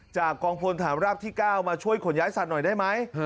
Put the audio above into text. กองพลฐานราบที่๙มาช่วยขนย้ายสัตว์หน่อยได้ไหม